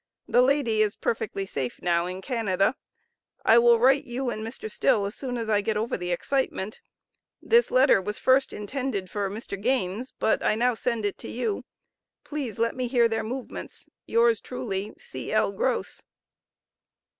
The lady is perfectly safe now in Canada. I will write you and Mr. Still as soon as I get over the excitement. This letter was first intended for Mr. Gains, but I now send it to you. Please let me hear their movements. Yours truly, C.L. GROCE.